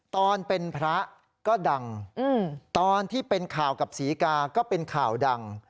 ตอนเป็นพระก็ดังตอนที่เป็นข่าวกับศรีกาก็เป็นข่าวดัง